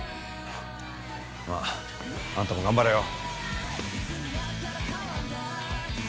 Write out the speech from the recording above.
まああんたも頑張れよ。